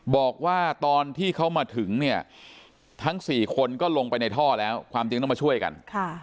บอกว่าตอนที่เขามาถึงเนี่ยทั้ง๔คนก็ลงไปในท่อแล้วความจริงต้องมาช่วยกัน